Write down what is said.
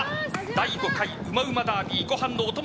第５回うまうまダービーご飯のお供